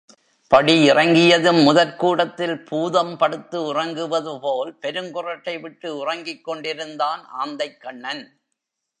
படியிறங்கியதும் முதற் கூடத்தில் பூதம் படுத்து உறங்குவது போல் பெருங்குறட்டை விட்டு உறங்கிக் கொண்டிருந்தான் ஆந்தைக்கண்ணன்.